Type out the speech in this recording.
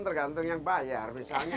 tergantung yang bayar